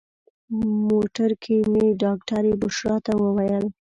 موټر کې مې ډاکټرې بشرا ته وویل.